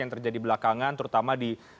yang terjadi belakangan terutama di